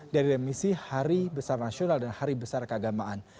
dari remisi hari besar nasional dan hari besar keagamaan